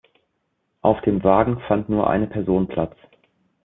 Auf dem Wagen fand nur eine Person Platz.